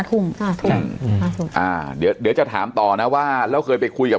ทุ่มอ่าเดี๋ยวเดี๋ยวจะถามต่อนะว่าเราเคยไปคุยกับ